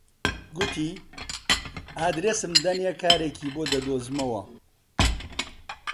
گوتی: ئاردێسم دەنێ کارێکی بۆ دەدۆزمەوە